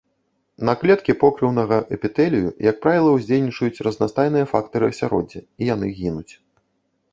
На клеткі покрыўнага эпітэлію, як правіла, уздзейнічаюць разнастайныя фактары асяроддзя, і яны гінуць.